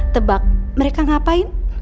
tebak mereka ngapain